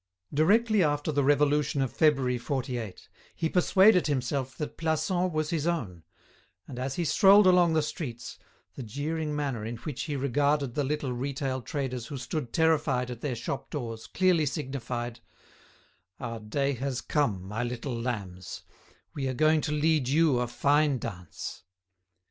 Directly after the Revolution of February '48, he persuaded himself that Plassans was his own, and, as he strolled along the streets, the jeering manner in which he regarded the little retail traders who stood terrified at their shop doors clearly signified: "Our day has come, my little lambs; we are going to lead you a fine dance!"